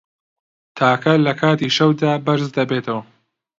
تاکە له کاتی شەودا بەرز دەبێتەوه